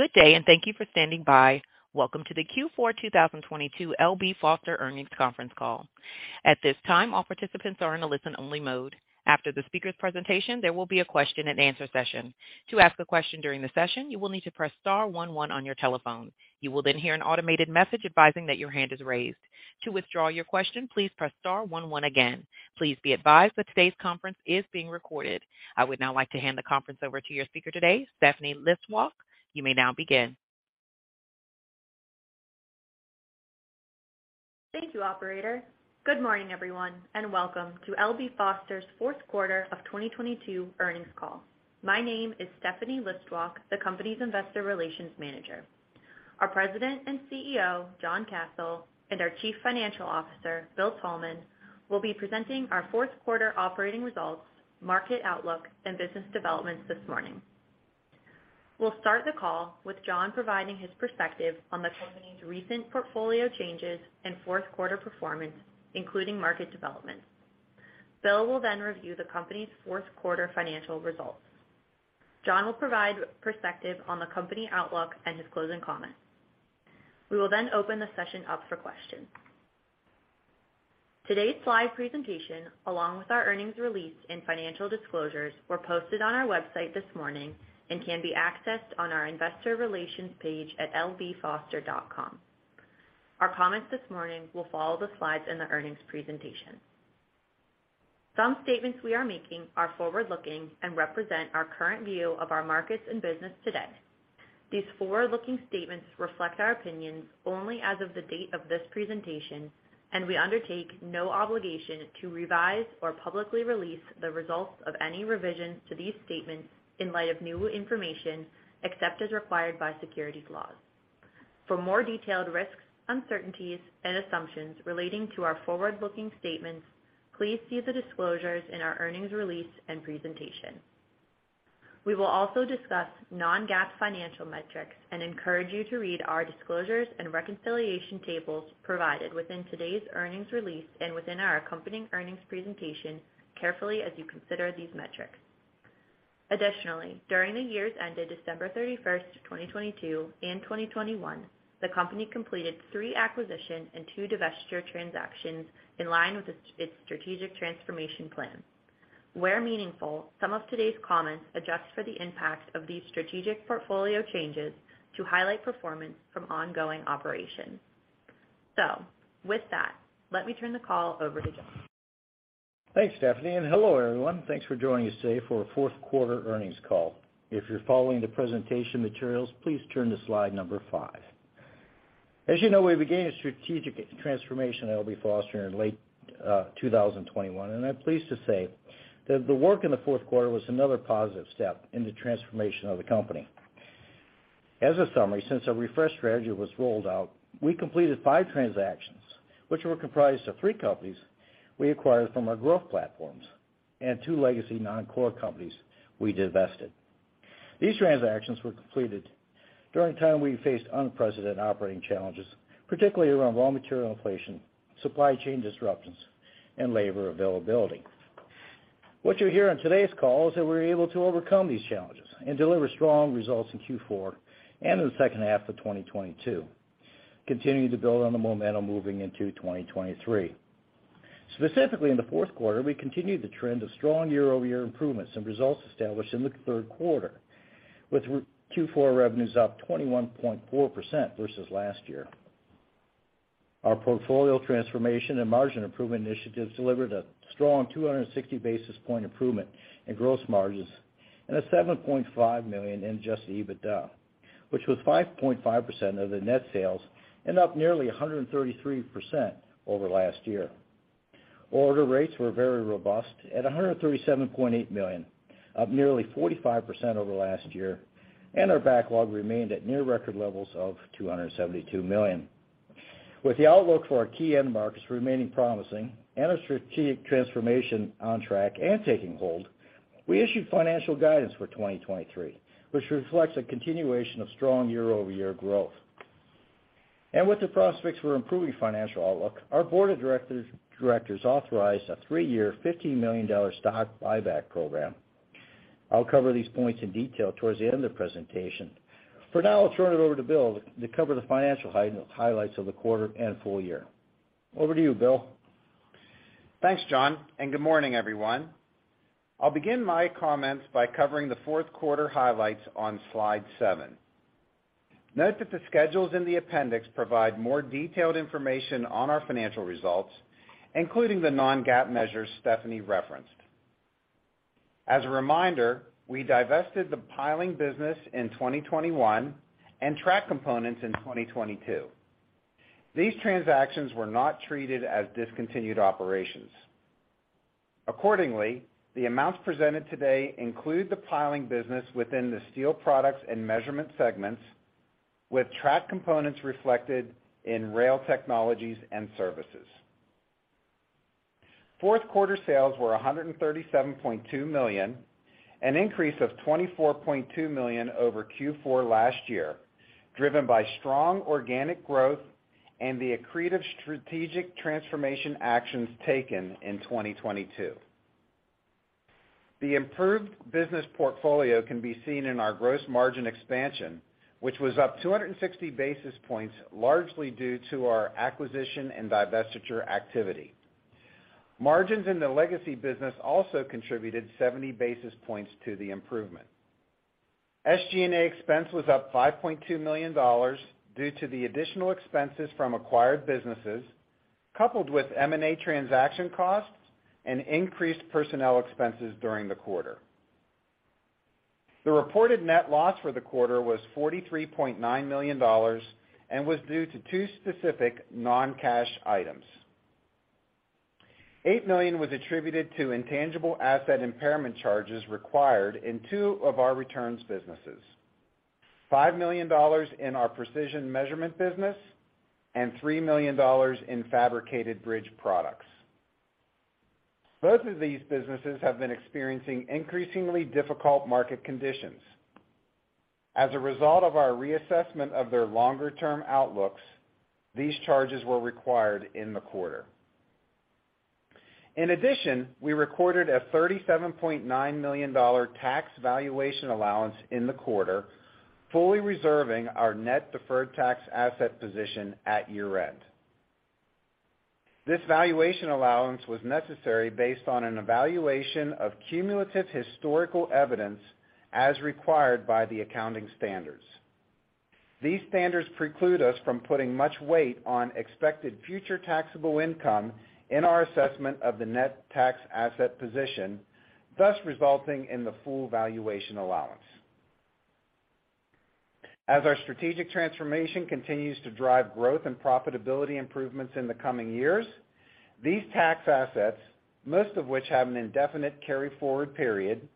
Good day, and thank you for standing by. Welcome to the Q4 2022 L.B. Foster Earnings Conference Call. At this time, all participants are in a listen-only mode. After the speaker's presentation, there will be a question and answer session. To ask a question during the session, you will need to press star 11 on your telephone. You will then hear an automated message advising that your hand is raised. To withdraw your question, please press star 11 again. Please be advised that today's conference is being recorded. I would now like to hand the conference over to your speaker today, Stephanie Listwak. You may now begin. Thank you, operator. Good morning, everyone, welcome to L.B. Foster's 4th quarter of 2022 Earnings Call. My name is Stephanie Listwak, the company's investor relations manager. Our President and CEO, John Kasel, and our Chief Financial Officer, Bill Thalman, will be presenting our 4th quarter operating results, market outlook, and business developments this morning. We'll start the call with John providing his perspective on the company's recent portfolio changes and 4th quarter performance, including market developments. Bill will then review the company's 4th quarter financial results. John will provide perspective on the company outlook and his closing comments. We will then open the session up for questions. Today's live presentation, along with our earnings release and financial disclosures, were posted on our website this morning and can be accessed on our investor relations page at lbfoster.com. Our comments this morning will follow the slides in the earnings presentation. Some statements we are making are forward-looking and represent our current view of our markets and business today. These forward-looking statements reflect our opinions only as of the date of this presentation, and we undertake no obligation to revise or publicly release the results of any revision to these statements in light of new information except as required by securities laws. For more detailed risks, uncertainties, and assumptions relating to our forward-looking statements, please see the disclosures in our earnings release and presentation. We will also discuss non-GAAP financial metrics and encourage you to read our disclosures and reconciliation tables provided within today's earnings release and within our accompanying earnings presentation carefully as you consider these metrics. Additionally, during the years ended December 31, 2022 and 2021, the company completed 3 acquisition and 2 divestiture transactions in line with its strategic transformation plan. Where meaningful, some of today's comments adjust for the impact of these strategic portfolio changes to highlight performance from ongoing operations. With that, let me turn the call over to John. Thanks, Stephanie. Hello, everyone. Thanks for joining us today for our fourth quarter earnings call. If you're following the presentation materials, please turn to slide number 5. As you know, we began a strategic transformation at L.B. Foster in late 2021. I'm pleased to say that the work in the fourth quarter was another positive step in the transformation of the company. As a summary, since our refresh strategy was rolled out, we completed 5 transactions which were comprised of 3 companies we acquired from our growth platforms and 2 legacy non-core companies we divested. These transactions were completed during a time we faced unprecedented operating challenges, particularly around raw material inflation, supply chain disruptions, and labor availability. What you'll hear on today's call is that we were able to overcome these challenges and deliver strong results in Q4 and in the second half of 2022, continuing to build on the momentum moving into 2023. Specifically, in the fourth quarter, we continued the trend of strong year-over-year improvements and results established in the third quarter, with Q4 revenues up 21.4% versus last year. Our portfolio transformation and margin improvement initiatives delivered a strong 260 basis point improvement in gross margins and a $7.5 million in adjusted EBITDA, which was 5.5% of the net sales and up nearly 133% over last year. Order rates were very robust at $137.8 million, up nearly 45% over last year. Our backlog remained at near record levels of $272 million. With the outlook for our key end markets remaining promising and our strategic transformation on track and taking hold, we issued financial guidance for 2023, which reflects a continuation of strong year-over-year growth. With the prospects for improving financial outlook, our board of directors authorized a three-year, $50 million stock buyback program. I'll cover these points in detail towards the end of the presentation. For now, I'll turn it over to Bill to cover the financial highlights of the quarter and full year. Over to you, Bill. Thanks, John, good morning, everyone. I'll begin my comments by covering the fourth quarter highlights on slide 7. Note that the schedules in the appendix provide more detailed information on our financial results, including the non-GAAP measures Stephanie referenced. As a reminder, we divested the Piling business in 2021 and Track Components in 2022. These transactions were not treated as discontinued operations. Accordingly, the amounts presented today include the Piling business within the Steel Products and Measurement segments, with Track Components reflected in Rail Technologies and Services. Fourth quarter sales were $137.2 million, an increase of $24.2 million over Q4 last year, driven by strong organic growth and the accretive strategic transformation actions taken in 2022. The improved business portfolio can be seen in our gross margin expansion, which was up 260 basis points, largely due to our acquisition and divestiture activity. Margins in the legacy business also contributed 70 basis points to the improvement. SG&A expense was up $5.2 million due to the additional expenses from acquired businesses, coupled with M&A transaction costs and increased personnel expenses during the quarter. The reported net loss for the quarter was $43.9 million and was due to two specific non-cash items. $8 million was attributed to intangible asset impairment charges required in two of our returns businesses. $5 million in our Precision Measurement business and $3 million in Fabricated Bridge products. Both of these businesses have been experiencing increasingly difficult market conditions. As a result of our reassessment of their longer-term outlooks, these charges were required in the quarter. We recorded a $37.9 million tax valuation allowance in the quarter, fully reserving our net deferred tax asset position at year-end. This valuation allowance was necessary based on an evaluation of cumulative historical evidence as required by the accounting standards. These standards preclude us from putting much weight on expected future taxable income in our assessment of the net tax asset position, thus resulting in the full valuation allowance. As our strategic transformation continues to drive growth and profitability improvements in the coming years, these tax assets, most of which have an indefinite carry-forward period,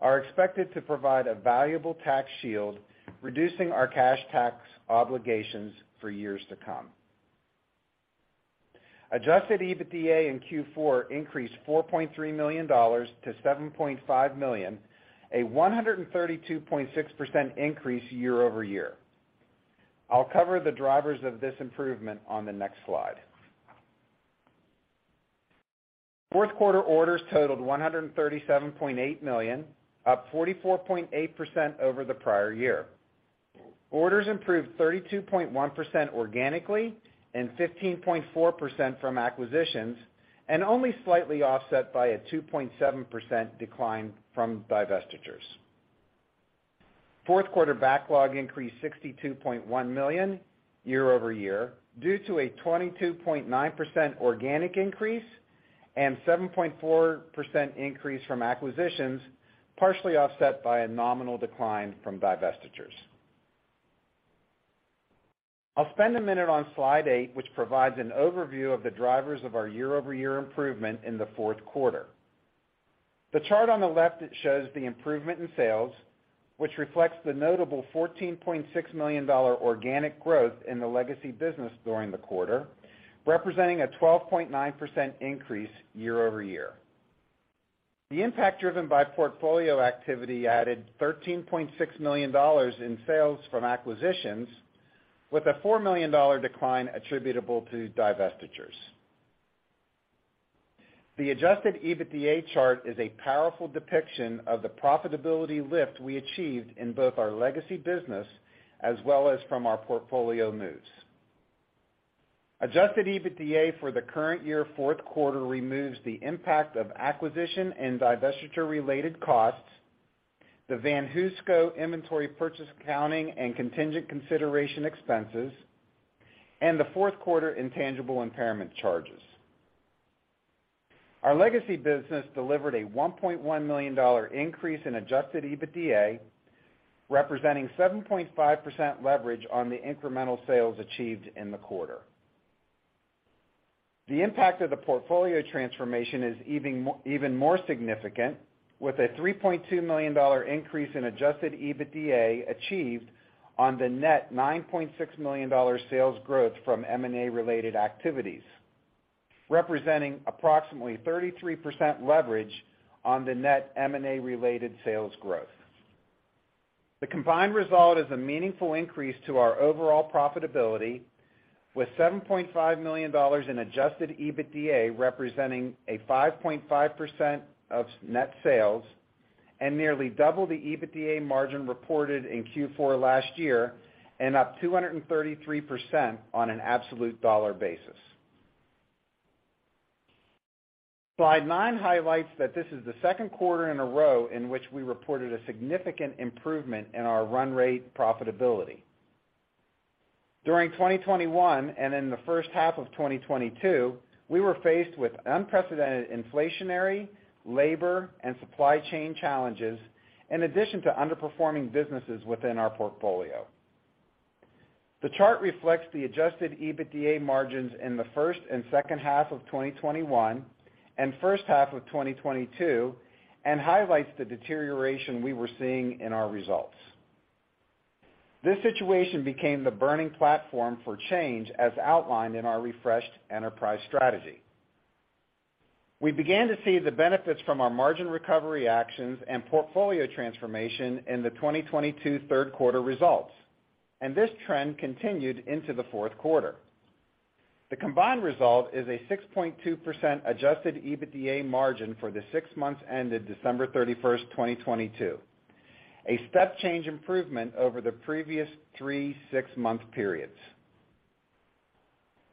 are expected to provide a valuable tax shield, reducing our cash tax obligations for years to come. Adjusted EBITDA in Q4 increased $4.3 million to $7.5 million, a 132.6% increase year-over-year. I'll cover the drivers of this improvement on the next slide. Fourth quarter orders totaled $137.8 million, up 44.8% over the prior year. Orders improved 32.1% organically and 15.4% from acquisitions, only slightly offset by a 2.7% decline from divestitures. Fourth quarter backlog increased $62.1 million year-over-year due to a 22.9% organic increase and 7.4% increase from acquisitions, partially offset by a nominal decline from divestitures. I'll spend a minute on slide 8, which provides an overview of the drivers of our year-over-year improvement in the fourth quarter. The chart on the left shows the improvement in sales, which reflects the notable $14.6 million organic growth in the legacy business during the quarter, representing a 12.9% increase year-over-year. The impact driven by portfolio activity added $13.6 million in sales from acquisitions with a $4 million decline attributable to divestitures. The adjusted EBITDA chart is a powerful depiction of the profitability lift we achieved in both our legacy business as well as from our portfolio moves. Adjusted EBITDA for the current year fourth quarter removes the impact of acquisition and divestiture-related costs, the VanHooseCo inventory purchase accounting and contingent consideration expenses, and the fourth quarter intangible impairment charges. Our legacy business delivered a $1.1 million increase in adjusted EBITDA, representing 7.5% leverage on the incremental sales achieved in the quarter. The impact of the portfolio transformation is even more significant, with a $3.2 million increase in adjusted EBITDA achieved on the net $9.6 million sales growth from M&A-related activities, representing approximately 33% leverage on the net M&A-related sales growth. The combined result is a meaningful increase to our overall profitability, with $7.5 million in adjusted EBITDA, representing a 5.5% of net sales and nearly double the EBITDA margin reported in Q4 last year and up 233% on an absolute dollar basis. Slide 9 highlights that this is the second quarter in a row in which we reported a significant improvement in our run rate profitability. During 2021 and in the first half of 2022, we were faced with unprecedented inflationary, labor, and supply chain challenges, in addition to underperforming businesses within our portfolio. The chart reflects the adjusted EBITDA margins in the first and second half of 2021 and first half of 2022, highlights the deterioration we were seeing in our results. This situation became the burning platform for change as outlined in our refreshed enterprise strategy. We began to see the benefits from our margin recovery actions and portfolio transformation in the 2022 third quarter results. This trend continued into the fourth quarter. The combined result is a 6.2% adjusted EBITDA margin for the 6 months ended December 31, 2022, a step change improvement over the previous 3 six-month periods.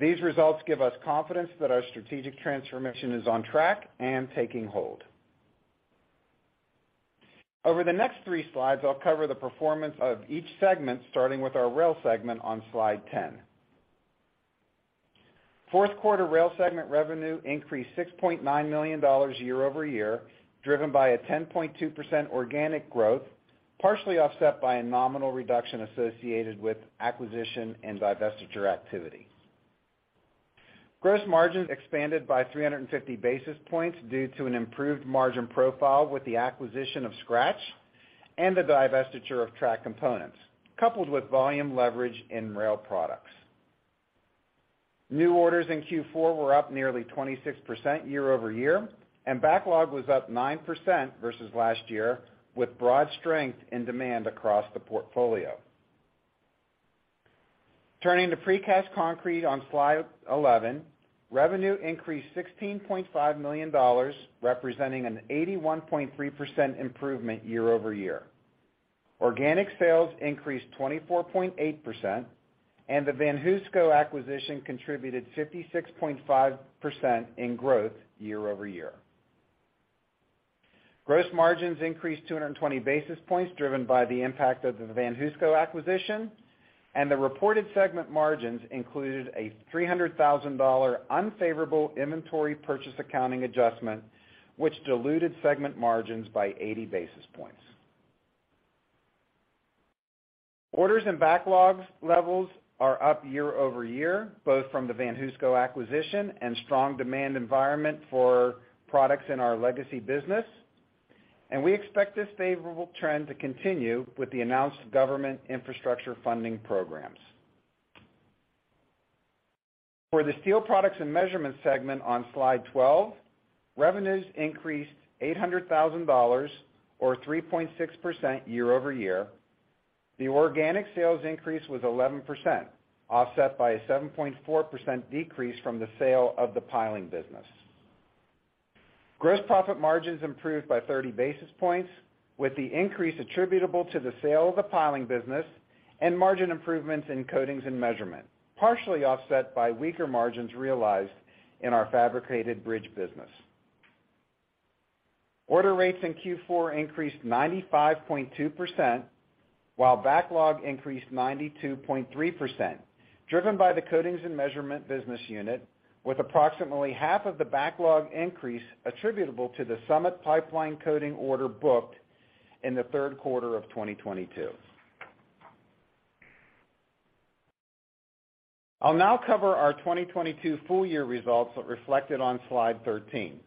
These results give us confidence that our strategic transformation is on track and taking hold. Over the next 3 slides, I'll cover the performance of each segment, starting with our Rail segment on slide 10. Fourth quarter Rail segment revenue increased $6.9 million year-over-year, driven by a 10.2% organic growth, partially offset by a nominal reduction associated with acquisition and divestiture activity. Gross margins expanded by 350 basis points due to an improved margin profile with the acquisition of Skratch and the divestiture of Track Components, coupled with volume leverage in Rail products. New orders in Q4 were up nearly 26% year-over-year, and backlog was up 9% versus last year, with broad strength in demand across the portfolio. Turning to Precast Concrete on slide 11, revenue increased $16.5 million, representing an 81.3% improvement year-over-year. Organic sales increased 24.8%, and the VanHooseCo acquisition contributed 56.5% in growth year-over-year. Gross margins increased 220 basis points, driven by the impact of the VanHooseCo acquisition, the reported segment margins included a $300,000 unfavorable inventory purchase accounting adjustment, which diluted segment margins by 80 basis points. Orders and backlogs levels are up year-over-year, both from the VanHooseCo acquisition and strong demand environment for products in our legacy business, we expect this favorable trend to continue with the announced government infrastructure funding programs. For the Steel Products and Measurement segment on slide 12, revenues increased $800,000 or 3.6% year-over-year. The organic sales increase was 11%, offset by a 7.4% decrease from the sale of the Piling Products. Gross profit margins improved by 30 basis points, with the increase attributable to the sale of the Piling Products and margin improvements in Coatings and Measurement, partially offset by weaker margins realized in our Fabricated Bridge business. Order rates in Q4 increased 95.2%, while backlog increased 92.3%, driven by the Coatings and Measurement business unit, with approximately half of the backlog increase attributable to the Summit pipeline coating order booked in the third quarter of 2022. I'll now cover our 2022 full year results reflected on slide 13.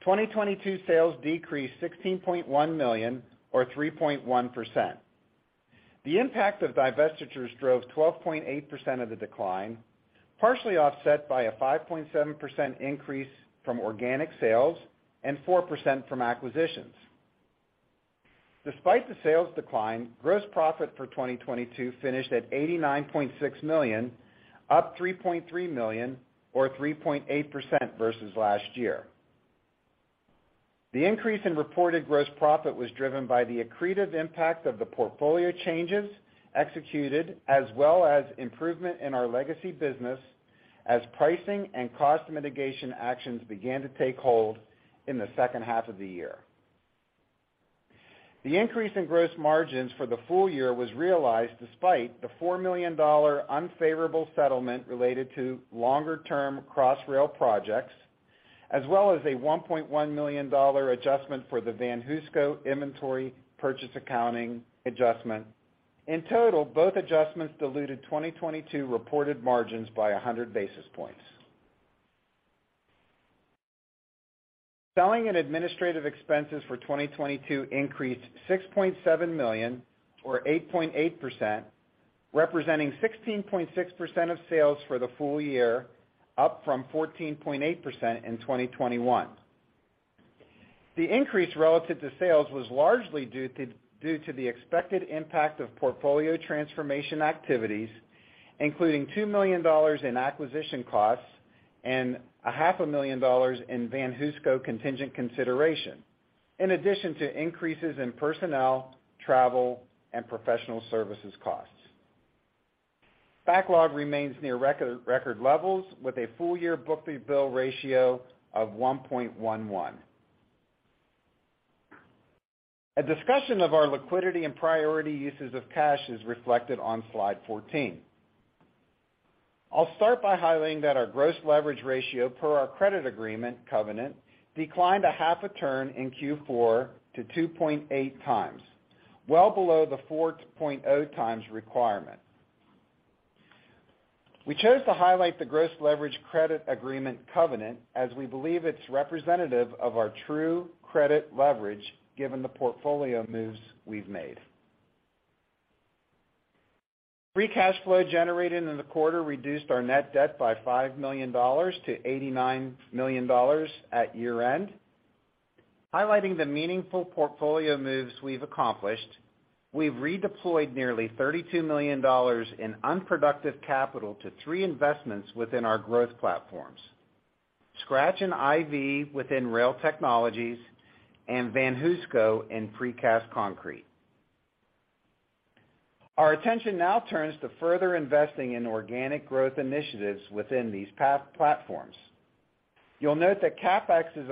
2022 sales decreased $16.1 million or 3.1%. The impact of divestitures drove 12.8% of the decline, partially offset by a 5.7% increase from organic sales and 4% from acquisitions. Despite the sales decline, gross profit for 2022 finished at $89.6 million, up $3.3 million or 3.8% versus last year. The increase in reported gross profit was driven by the accretive impact of the portfolio changes executed, as well as improvement in our legacy business as pricing and cost mitigation actions began to take hold in the second half of the year. The increase in gross margins for the full year was realized despite the $4 million unfavorable settlement related to longer-term Crossrail projects, as well as a $1.1 million adjustment for the VanHooseCo inventory purchase accounting adjustment. In total, both adjustments diluted 2022 reported margins by 100 basis points. Selling and administrative expenses for 2022 increased $6.7 million or 8.8%, representing 16.6% of sales for the full year, up from 14.8% in 2021. The increase relative to sales was largely due to the expected impact of portfolio transformation activities, including $2 million in acquisition costs and a half a million dollars in VanHooseCo contingent consideration, in addition to increases in personnel, travel, and professional services costs. Backlog remains near record levels, with a full year book-to-bill ratio of 1.11. A discussion of our liquidity and priority uses of cash is reflected on slide 14. I'll start by highlighting that our gross leverage ratio per our credit agreement covenant declined a half a turn in Q4 to 2.8 times, well below the 4.0 times requirement. We chose to highlight the gross leverage credit agreement covenant as we believe it's representative of our true credit leverage given the portfolio moves we've made. Free cash flow generated in the quarter reduced our net debt by $5 million to $89 million at year-end. Highlighting the meaningful portfolio moves we've accomplished, we've redeployed nearly $32 million in unproductive capital to three investments within our growth platforms. Skratch and IV within Rail Technologies and VanHooseCo in Precast Concrete. Our attention now turns to further investing in organic growth initiatives within these platforms. You'll note that CapEx is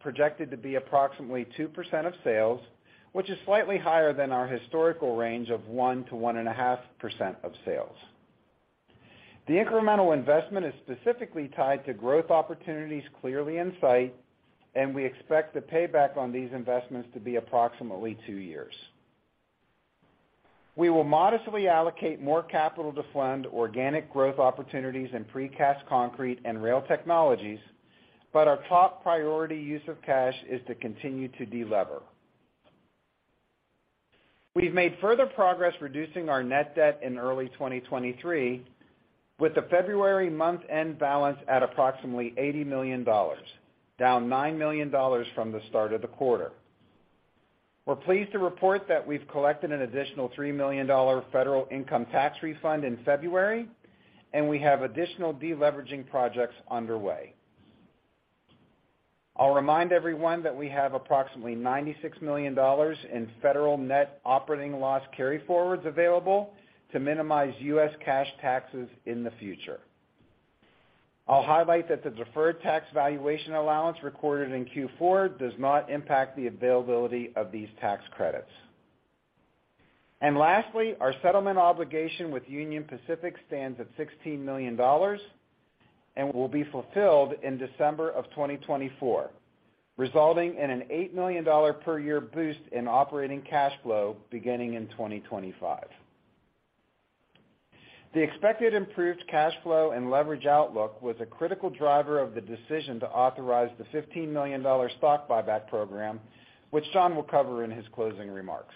projected to be approximately 2% of sales, which is slightly higher than our historical range of 1% to 1.5% of sales. The incremental investment is specifically tied to growth opportunities clearly in sight. We expect the payback on these investments to be approximately 2 years. We will modestly allocate more capital to fund organic growth opportunities in Precast Concrete and Rail Technologies. Our top priority use of cash is to continue to de-lever. We've made further progress reducing our net debt in early 2023, with the February month-end balance at approximately $80 million, down $9 million from the start of the quarter. We're pleased to report that we've collected an additional $3 million federal income tax refund in February. We have additional de-leveraging projects underway. I'll remind everyone that we have approximately $96 million in federal net operating loss carryforwards available to minimize U.S. cash taxes in the future. I'll highlight that the deferred tax valuation allowance recorded in Q4 does not impact the availability of these tax credits. Lastly, our settlement obligation with Union Pacific stands at $16 million and will be fulfilled in December of 2024, resulting in an $8 million per year boost in operating cash flow beginning in 2025. The expected improved cash flow and leverage outlook was a critical driver of the decision to authorize the $15 million stock buyback program, which John will cover in his closing remarks.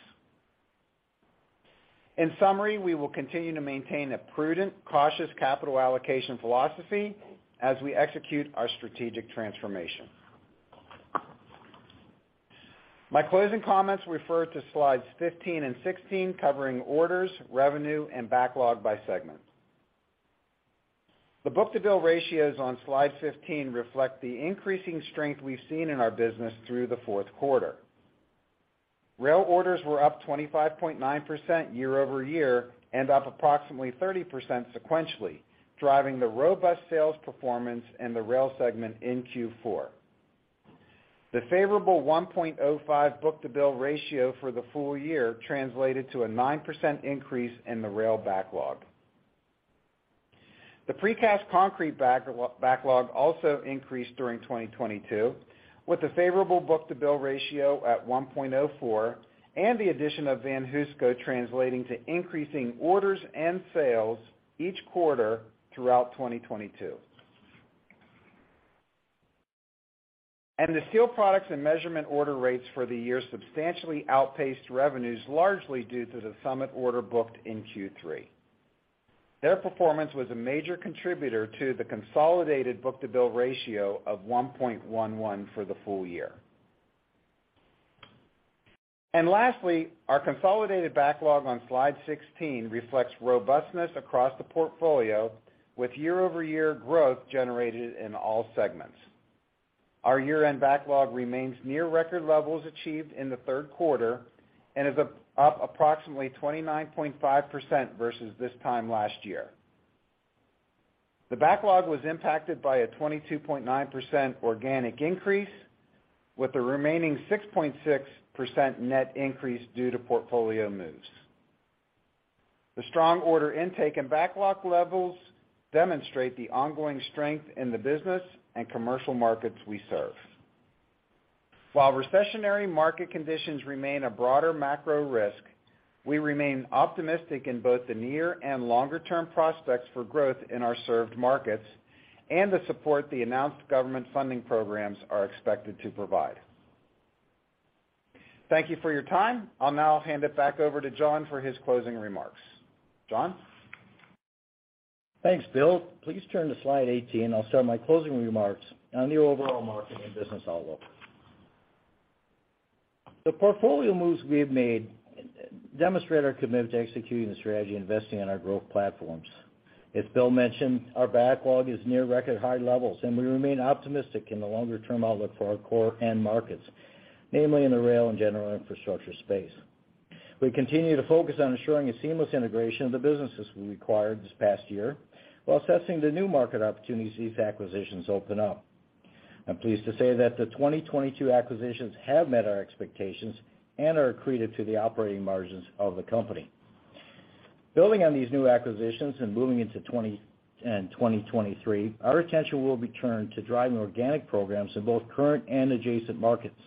In summary, we will continue to maintain a prudent, cautious capital allocation philosophy as we execute our strategic transformation. My closing comments refer to slides 15 and 16, covering orders, revenue, and backlog by segment. The book-to-bill ratios on slide 15 reflect the increasing strength we've seen in our business through the fourth quarter. Rail orders were up 25.9% year-over-year and up approximately 30% sequentially, driving the robust sales performance in the Rail segment in Q4. The favorable 1.05 book-to-bill ratio for the full year translated to a 9% increase in the Rail backlog. The Precast Concrete backlog also increased during 2022, with a favorable book-to-bill ratio at 1.04 and the addition of VanHooseCo translating to increasing orders and sales each quarter throughout 2022. The Steel Products and Measurement order rates for the year substantially outpaced revenues largely due to the Summit order booked in Q3. Their performance was a major contributor to the consolidated book-to-bill ratio of 1.11 for the full year. Lastly, our consolidated backlog on slide 16 reflects robustness across the portfolio with year-over-year growth generated in all segments. Our year-end backlog remains near record levels achieved in the third quarter and is up approximately 29.5% versus this time last year. The backlog was impacted by a 22.9% organic increase, with the remaining 6.6% net increase due to portfolio moves. The strong order intake and backlog levels demonstrate the ongoing strength in the business and commercial markets we serve. While recessionary market conditions remain a broader macro risk, we remain optimistic in both the near and longer-term prospects for growth in our served markets and the support the announced government funding programs are expected to provide. Thank you for your time. I'll now hand it back over to John for his closing remarks. John? Thanks, Bill. Please turn to slide 18. I'll start my closing remarks on the overall market and business outlook. The portfolio moves we have made demonstrate our commitment to executing the strategy, investing in our growth platforms. As Bill mentioned, our backlog is near record high levels, and we remain optimistic in the longer-term outlook for our core end markets, mainly in the Rail and General Infrastructure space. We continue to focus on ensuring a seamless integration of the businesses we acquired this past year while assessing the new market opportunities these acquisitions open up. I'm pleased to say that the 2022 acquisitions have met our expectations and are accretive to the operating margins of the company. Building on these new acquisitions and moving into 2023, our attention will be turned to driving organic programs in both current and adjacent markets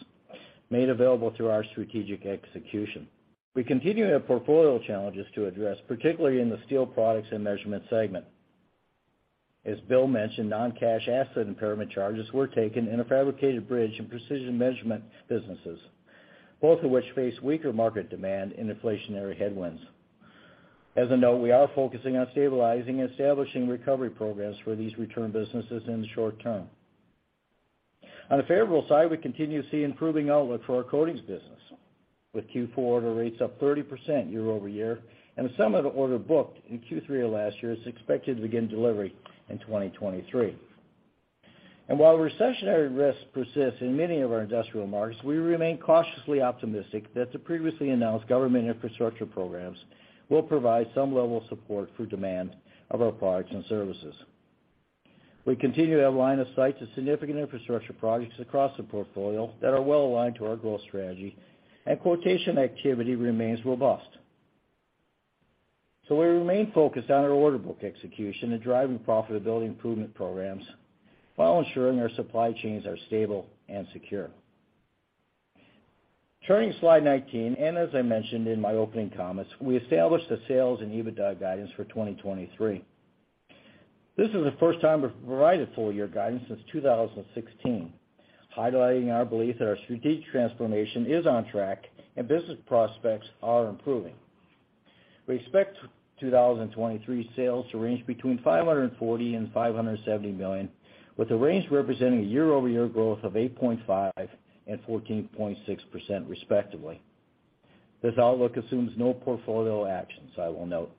made available through our strategic execution. We continue to have portfolio challenges to address, particularly in the Steel Products and Measurement segment. As Bill mentioned, non-cash asset impairment charges were taken in a Fabricated Bridge in Precision Measurement businesses, both of which face weaker market demand and inflationary headwinds. As a note, we are focusing on stabilizing and establishing recovery programs for these returns businesses in the short term. On the favorable side, we continue to see improving outlook for our Coatings business, with Q4 order rates up 30% year-over-year, and some of the order booked in Q3 of last year is expected to begin delivery in 2023. While recessionary risk persists in many of our industrial markets, we remain cautiously optimistic that the previously announced government infrastructure programs will provide some level of support through demand of our products and services. We continue to have line of sight to significant infrastructure projects across the portfolio that are well-aligned to our growth strategy, and quotation activity remains robust. We remain focused on our order book execution and driving profitability improvement programs while ensuring our supply chains are stable and secure. Turning to slide 19, and as I mentioned in my opening comments, we established the sales and EBITDA guidance for 2023. This is the first time we've provided full-year guidance since 2016, highlighting our belief that our strategic transformation is on track and business prospects are improving. We expect 2023 sales to range between $540 million and $570 million, with the range representing a year-over-year growth of 8.5% and 14.6% respectively. This outlook assumes no portfolio actions, I will note.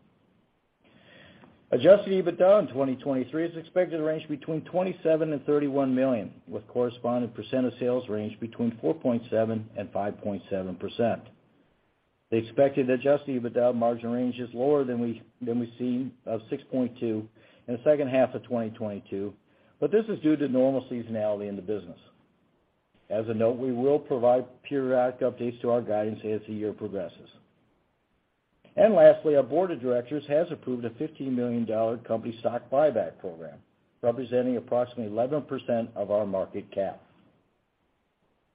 adjusted EBITDA in 2023 is expected to range between $27 million and $31 million, with corresponding % of sales range between 4.7% and 5.7%. The expected adjusted EBITDA margin range is lower than we've seen of 6.2% in the second half of 2022, but this is due to normal seasonality in the business. As a note, we will provide periodic updates to our guidance as the year progresses. Lastly, our board of directors has approved a $50 million company stock buyback program, representing approximately 11% of our market cap.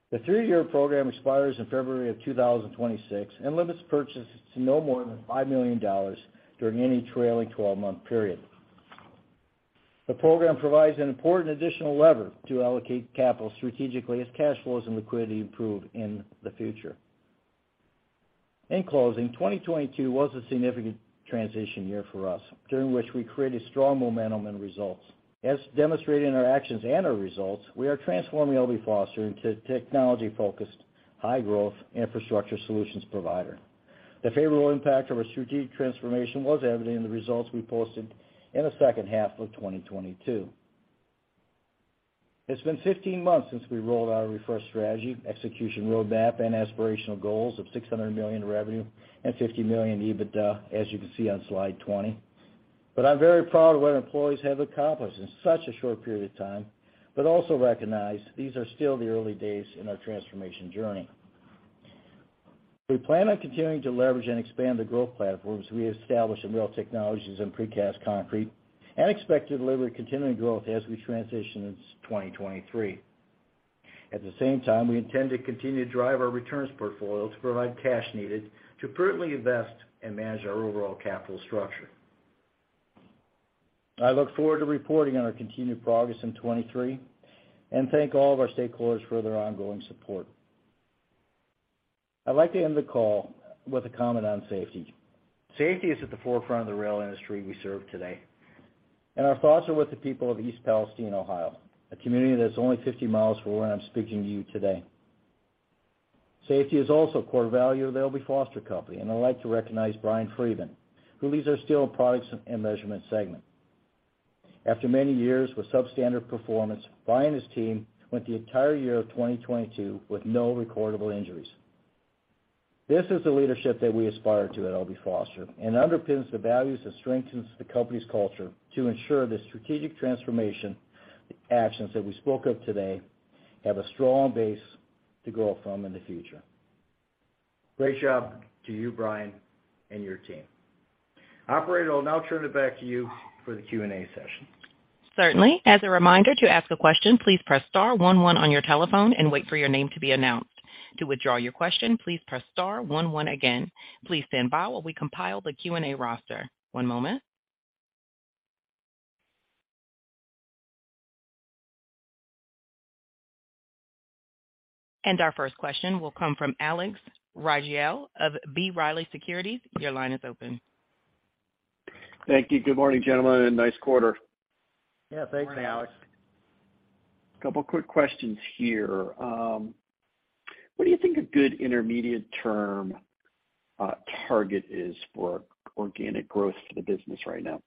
The 3-year program expires in February of 2026 and limits purchases to no more than $5 million during any trailing 12-month period. The program provides an important additional lever to allocate capital strategically as cash flows and liquidity improve in the future. In closing, 2022 was a significant transition year for us, during which we created strong momentum and results. As demonstrated in our actions and our results, we are transforming L.B. Foster into a technology-focused, high-growth infrastructure solutions provider. The favorable impact of our strategic transformation was evident in the results we posted in the second half of 2022. It's been 15 months since we rolled out our refreshed strategy, execution roadmap, and aspirational goals of $600 million revenue and $50 million EBITDA, as you can see on slide 20. I'm very proud of what our employees have accomplished in such a short period of time, but also recognize these are still the early days in our transformation journey. We plan on continuing to leverage and expand the growth platforms we established in Rail Technologies and Precast Concrete, and expect to deliver continuing growth as we transition into 2023. At the same time, we intend to continue to drive our returns portfolio to provide cash needed to prudently invest and manage our overall capital structure. I look forward to reporting on our continued progress in 2023 and thank all of our stakeholders for their ongoing support. I'd like to end the call with a comment on safety. Safety is at the forefront of the Rail industry we serve today, and our thoughts are with the people of East Palestine, Ohio, a community that's only 50 miles from where I'm speaking to you today. Safety is also a core value of the L.B. Foster Company, and I'd like to recognize Brian Friedman, who leads our Steel Products and Measurement segment. After many years with substandard performance, Brian and his team went the entire year of 2022 with no recordable injuries. This is the leadership that we aspire to at L.B. Foster and underpins the values that strengthens the company's culture to ensure the strategic transformation actions that we spoke of today have a strong base to grow from in the future. Great job to you, Brian, and your team. Operator, I'll now turn it back to you for the Q&A session. Certainly. As a reminder, to ask a question, please press star one one on your telephone and wait for your name to be announced. To withdraw your question, please press star 11 again. Please stand by while we compile the Q&A roster. One moment. Our first question will come from Alex Rygiel of B. Riley Securities. Your line is open. Thank you. Good morning, gentlemen, and nice quarter. Yeah. Thanks, Alex. Good morning. Couple quick questions here. What do you think a good intermediate term target is for organic growth for the business right now?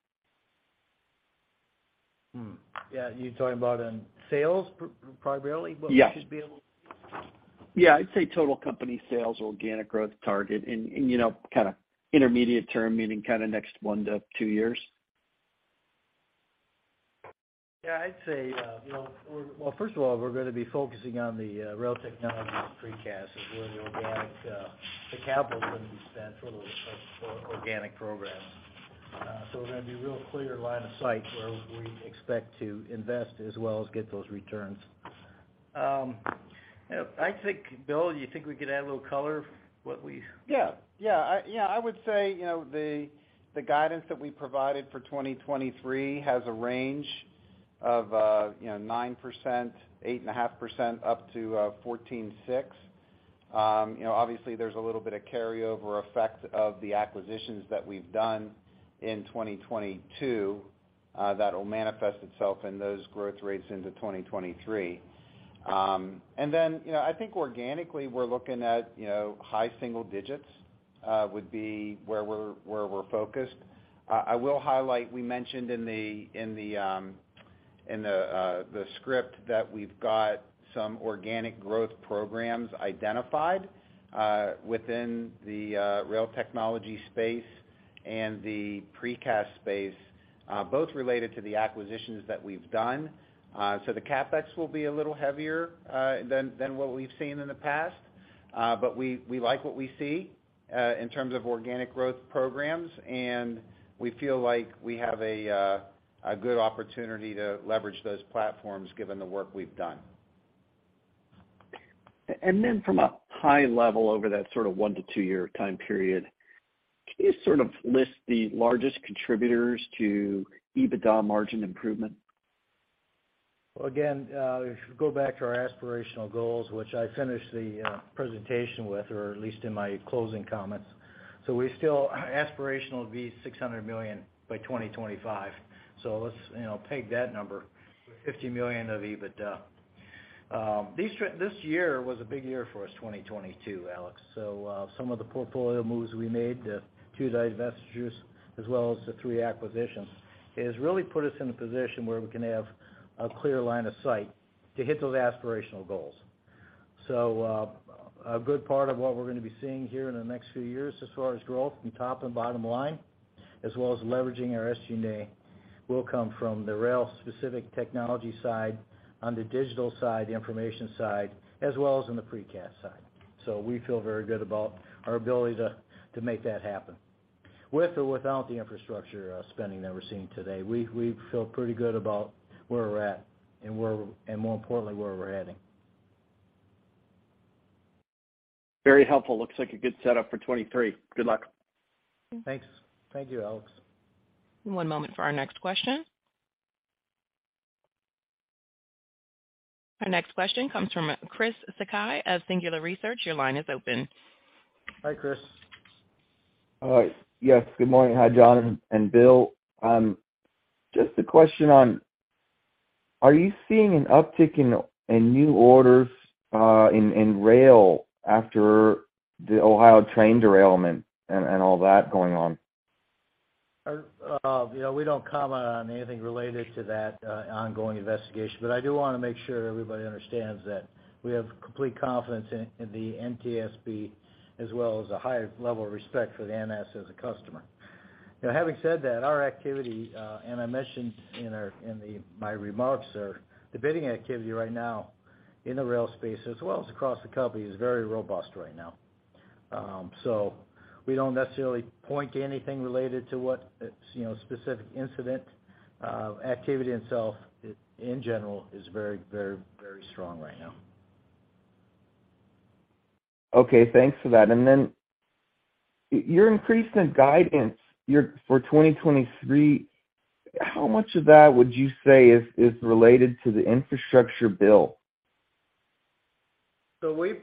Hmm. Yeah. You're talking about in sales primarily what we should be able to do? Yes. Yeah, I'd say total company sales organic growth target and, you know, kinda intermediate term, meaning kinda next 1-2 years. Yeah, I'd say, you know, Well, first of all, we're gonna be focusing on the Rail Technology and Precast is where the organic, the capital is gonna be spent for organic programs. We're gonna be real clear line of sight where we expect to invest as well as get those returns. You know, I think, Bill, you think we could add a little color what we... Yeah. I would say, you know, the guidance that we provided for 2023 has a range of, you know, 9%, 8.5% up to 14.6%. You know, obviously, there's a little bit of carryover effect of the acquisitions that we've done in 2022, that'll manifest itself in those growth rates into 2023. You know, I think organically we're looking at, you know, high single digits, would be where we're focused. I will highlight, we mentioned in the script that we've got some organic growth programs identified, within the Rail Technology space and the Precast space, both related to the acquisitions that we've done. The CapEx will be a little heavier than what we've seen in the past. We like what we see, in terms of organic growth programs, and we feel like we have a good opportunity to leverage those platforms given the work we've done. From a high level over that sort of 1 to 2 year time period, can you sort of list the largest contributors to EBITDA margin improvement? Again, if you go back to our aspirational goals, which I finished the presentation with, or at least in my closing comments. We still aspirational to be $600 million by 2025. Let's, you know, peg that number, $50 million of EBITDA. This year was a big year for us, 2022, Alex. Some of the portfolio moves we made, the two divestitures as well as the three acquisitions, has really put us in a position where we can have a clear line of sight to hit those aspirational goals. A good part of what we're gonna be seeing here in the next few years as far as growth from top and bottom line, as well as leveraging our SG&A, will come from the rail-specific technology side, on the digital side, the information side, as well as in the Precast side. We feel very good about our ability to make that happen. With or without the infrastructure spending that we're seeing today, we feel pretty good about where we're at and more importantly, where we're heading. Very helpful. Looks like a good setup for 2023. Good luck. Thanks. Thank you, Alex. One moment for our next question. Our next question comes from Chris Sakai of Singular Research. Your line is open. Hi, Chris. All right. Yes, good morning. Hi, John and Bill. just a question on are you seeing an uptick in new orders in Rail after the Ohio train derailment and all that going on? You know, we don't comment on anything related to that ongoing investigation, but I do wanna make sure everybody understands that we have complete confidence in the NTSB as well as a high level of respect for the NS as a customer. You know, having said that, our activity, and I mentioned in my remarks, our bidding activity right now in the Rail space as well as across the company is very robust right now. We don't necessarily point to anything related to what, you know, a specific incident. Activity itself in general is very strong right now. Okay, thanks for that. Then your increase in guidance, for 2023, how much of that would you say is related to the infrastructure bill? We've,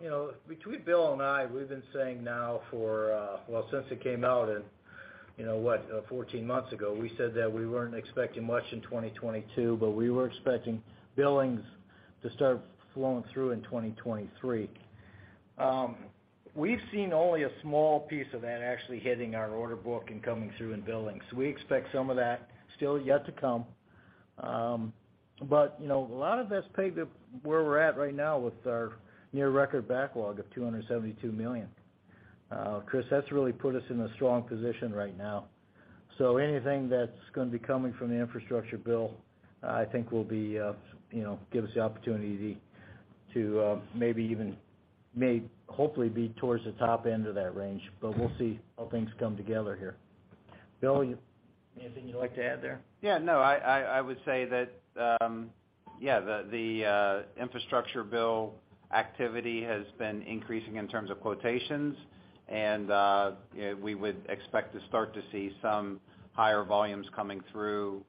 you know, between Bill and I, we've been saying now for, well, since it came out in, you know, what, 14 months ago, we said that we weren't expecting much in 2022, but we were expecting billings to start flowing through in 2023. We've seen only a small piece of that actually hitting our order book and coming through in billings. We expect some of that still yet to come. But, you know, a lot of that's pegged to where we're at right now with our near record backlog of $272 million. Chris, that's really put us in a strong position right now. Anything that's gonna be coming from the infrastructure bill, I think will be, you know, give us the opportunity to may hopefully be towards the top end of that range. We'll see how things come together here. Bill, anything you'd like to add there? I would say that the infrastructure bill activity has been increasing in terms of quotations and, you know, we would expect to start to see some higher volumes coming through,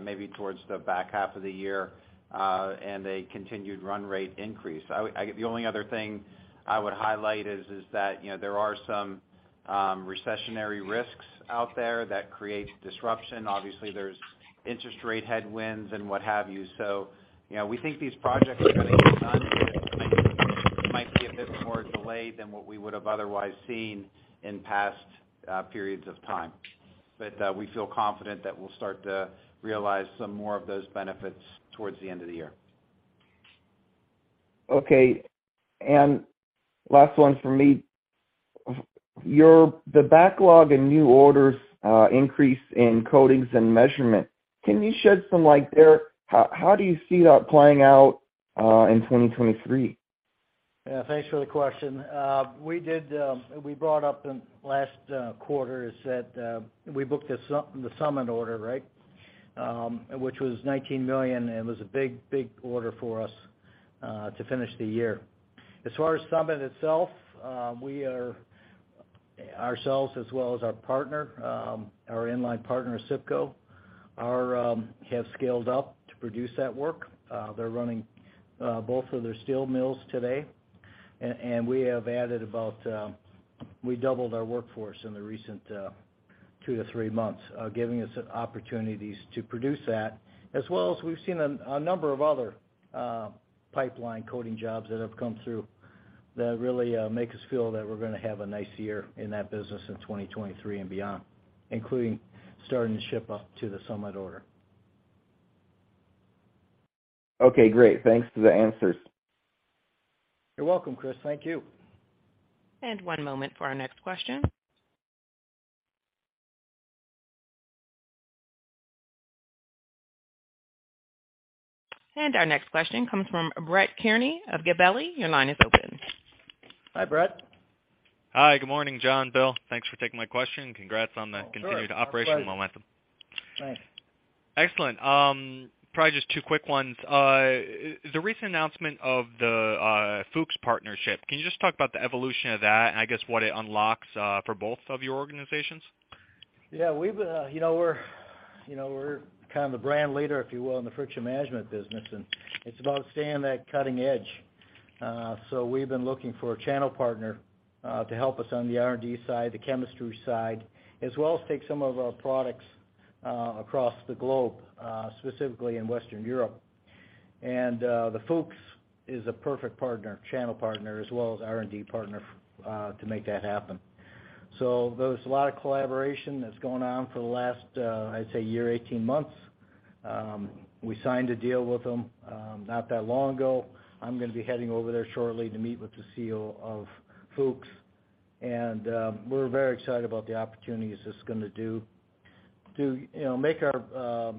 maybe towards the back half of the year, and a continued run rate increase. The only other thing I would highlight is that, you know, there are some recessionary risks out there that create disruption. Obviously, there's interest rate headwinds and what have you. You know, we think these projects are gonna get done. It might be a bit more delayed than what we would have otherwise seen in past periods of time. We feel confident that we'll start to realize some more of those benefits towards the end of the year. Okay. Last one for me. The backlog and new orders, increase in Coatings and Measurement, can you shed some light there? How do you see that playing out in 2023? Yeah, thanks for the question. We brought up in last quarter is that we booked the Summit order, right? Which was $19 million, and it was a big order for us to finish the year. As far as Summit itself, we are, ourselves as well as our partner, our inline partner, ACIPCO, are have scaled up to produce that work. They're running both of their steel mills today. We have added about, we doubled our workforce in the recent two to three months, giving us opportunities to produce that, as well as we've seen a number of other pipeline coating jobs that have come through that really make us feel that we're gonna have a nice year in that business in 2023 and beyond, including starting to ship up to the Summit order. Okay, great. Thanks for the answers. You're welcome, Chris. Thank you. One moment for our next question. Our next question comes from Brett Kearney of Gabelli. Your line is open. Hi, Brett. Hi. Good morning, John, Bill. Thanks for taking my question. Congrats on continued operational momentum. Thanks. Excellent. Probably just two quick ones. The recent announcement of the Fuchs partnership, can you just talk about the evolution of that and I guess what it unlocks for both of your organizations? Yeah, we've, you know, we're, you know, we're kind of the brand leader, if you will, in the friction management business, and it's about staying on that cutting edge. So we've been looking for a channel partner to help us on the R&D side, the chemistry side, as well as take some of our products across the globe, specifically in Western Europe. The Fuchs is a perfect partner, channel partner, as well as R&D partner to make that happen. There's a lot of collaboration that's gone on for the last, I'd say year, 18 months. We signed a deal with them not that long ago. I'm gonna be heading over there shortly to meet with the CEO of Fuchs. We're very excited about the opportunities it's gonna do to, you know, make our,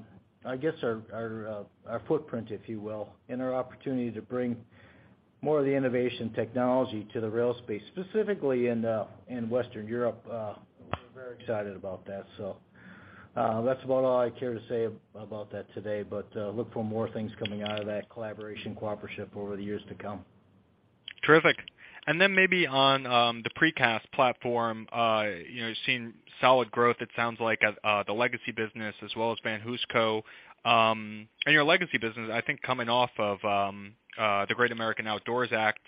I guess our, our footprint, if you will, and our opportunity to bring more of the innovation technology to the Rail space, specifically in Western Europe. We're very excited about that. That's about all I care to say about that today, but look for more things coming out of that collaboration, cooperation over the years to come. Terrific. Then maybe on the Precast platform. You know, seeing solid growth, it sounds like the legacy business as well as VanHooseCo. Your legacy business, I think, coming off of the Great American Outdoors Act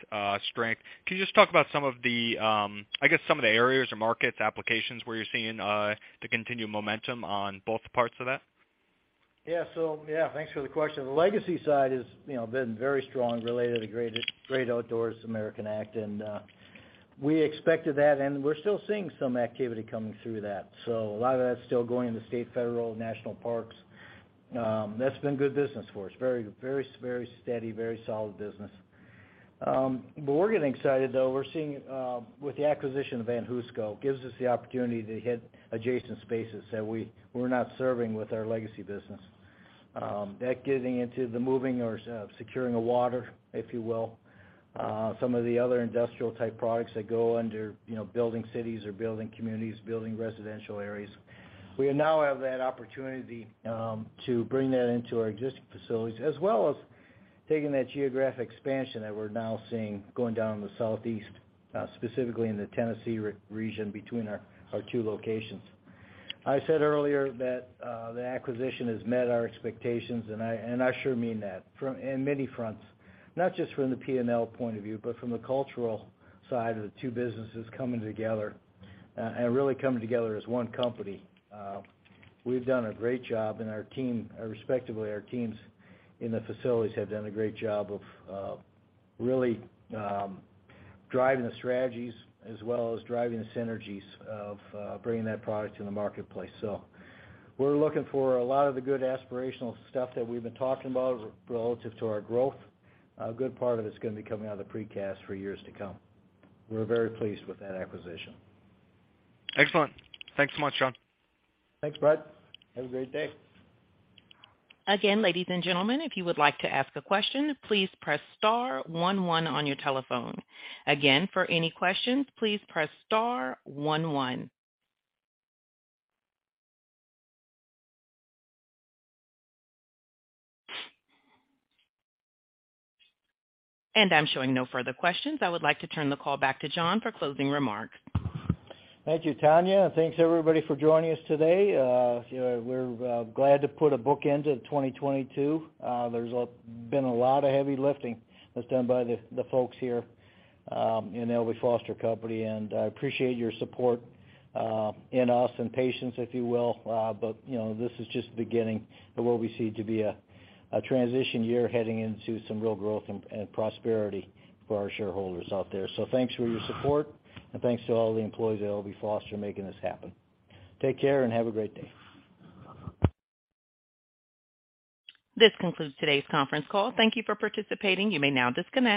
strength. Can you just talk about some of the, I guess, some of the areas or markets, applications where you're seeing the continued momentum on both parts of that? Yeah, thanks for the question. The legacy side is, you know, been very strong related to Great American Outdoors Act, and we expected that, and we're still seeing some activity coming through that. A lot of that's still going to state, federal, national parks. That's been good business for us. Very steady, very solid business. We're getting excited, though. We're seeing with the acquisition of VanHooseCo, gives us the opportunity to hit adjacent spaces that we're not serving with our legacy business. That getting into the moving or securing of water, if you will. Some of the other industrial type products that go under, you know, building cities or building communities, building residential areas. We now have that opportunity, to bring that into our existing facilities, as well as taking that geographic expansion that we're now seeing going down in the southeast, specifically in the Tennessee region between our two locations. I said earlier that the acquisition has met our expectations, and I sure mean that from... in many fronts. Not just from the P&L point of view, but from the cultural side of the two businesses coming together, and really coming together as one company. We've done a great job, and our teams in the facilities have done a great job of really driving the strategies as well as driving the synergies of bringing that product to the marketplace. We're looking for a lot of the good aspirational stuff that we've been talking about relative to our growth. A good part of it's gonna be coming out of Precast for years to come. We're very pleased with that acquisition. Excellent. Thanks so much, John. Thanks, Brett. Have a great day. Again, ladies and gentlemen, if you would like to ask a question, please press star one one on your telephone. Again, for any questions, please press star one one. I'm showing no further questions. I would like to turn the call back to John for closing remarks. Thank you, Tanya. Thanks, everybody, for joining us today. You know, we're glad to put a book end to 2022. There's been a lot of heavy lifting that's done by the folks here in the L.B. Foster Company, and I appreciate your support in us and patience, if you will. You know, this is just the beginning of what we see to be a transition year heading into some real growth and prosperity for our shareholders out there. Thanks for your support. Thanks to all the employees at L.B. Foster making this happen. Take care and have a great day. This concludes today's conference call. Thank you for participating. You may now disconnect.